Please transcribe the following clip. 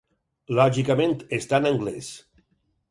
Lògicament, està en anglès.